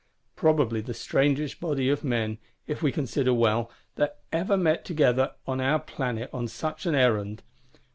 Probably the strangest Body of Men, if we consider well, that ever met together on our Planet on such an errand.